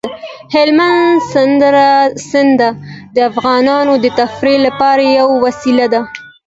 هلمند سیند د افغانانو د تفریح لپاره یوه وسیله ده.